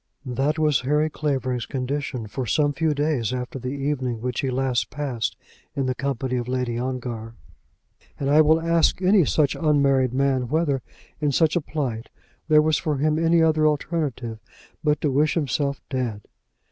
That was Harry Clavering's condition for some few days after the evening which he last passed in the company of Lady Ongar, and I will ask any such unmarried man whether, in such a plight, there was for him any other alternative but to wish himself dead?